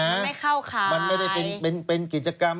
ไม่เข้าขายมันไม่ได้เป็นเป็นกิจกรรม